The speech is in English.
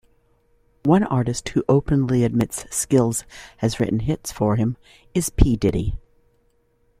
One artist who openly admits Skillz has written hits for him is P. Diddy.